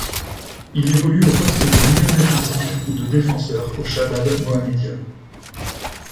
Il évolue au poste de milieu défensif ou de défenseur au Chabab Mohammédia.